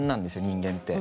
人間って。